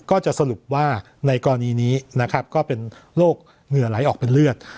ก็จะสรุปว่าในกรณีนี้นะครับก็เป็นโรคเหงื่อไหลออกเป็นเลือด